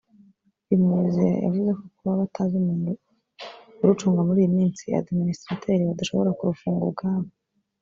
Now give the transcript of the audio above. uyu muyobozi yavuze ko kuba batazi umuntu urucunga muri iyi minsi (administrateur) badashobora kurufunga ubwabo